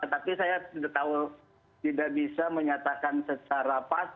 tapi saya tidak tahu tidak bisa menyatakan secara pas